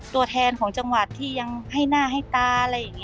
ตัวแทนของจังหวัดที่ยังให้หน้าให้ตา